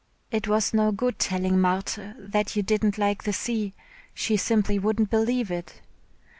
It was no good telling Marthe that you didn't like the sea, she simply wouldn't believe it.